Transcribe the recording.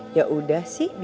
iya tidak ada salah tadi